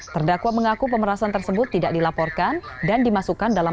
terdakwa mengaku pemerasan tersebut tidak dilaporkan dan dimasukkan dalam